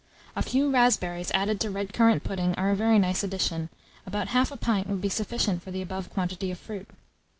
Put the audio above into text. A few raspberries added to red currant pudding are a very nice addition: about 1/2 pint would be sufficient for the above quantity of fruit.